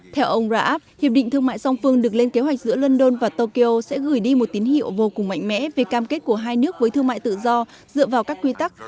theo ông raab hiệp định thương mại song phương được lên kế hoạch giữa london và tokyo sẽ gửi đi một tín hiệu vô cùng mạnh mẽ về cam kết của hai nước với thương mại tự do dựa vào các quy tắc